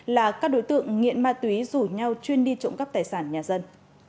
là các đối tượng nghiện ma túy rủ nhau chuyên đi trộm cắp tài sản nhà dân